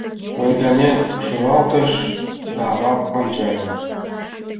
Ойганен шӱлалтыш да авам ончале.